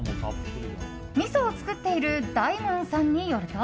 みそを造っている大門さんによると。